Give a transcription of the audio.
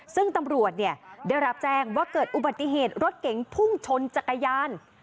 ซึ่งตำรวจได้รับแจ้งว่าเกิดอุบัติเหตุรถเก๋งพุ่งชนจักรยาน